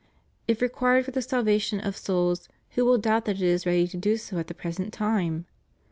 If required for the salvation of souls, who will doubt that it is ready to do so at the present time?